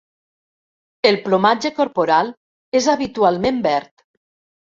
El plomatge corporal és habitualment verd.